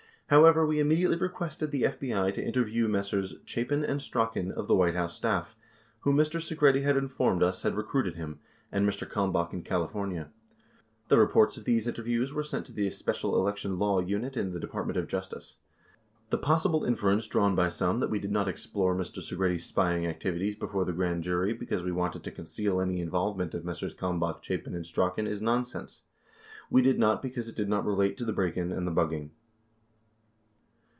However, we immediately requested the FBI to interview Messrs. Chapin and Strachan of the White House staff, who Mr. Segretti had informed ns had recruited him, and Mr. Kalmbach in California. The reports of these inter views were sent to the Special Election Law Unit in the Department of Justice. The possible inference drawn by some that we did not explore Mr. Segretti's spying activities before the grand jury because we wanted to conceal any involvement of Messrs. Kalmbach, Chapin, and Strachan is nonsense. We did not because it did not relate to the break in and the bugging.